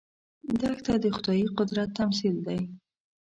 دښته د خدايي قدرت تمثیل دی.